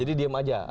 jadi diem saja